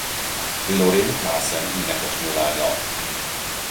Lorraine Klaasen énekesnő lánya.